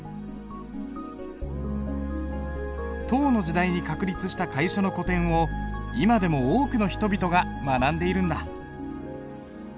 唐の時代に確立した楷書の古典を今でも多くの人々が学んでいるんだ。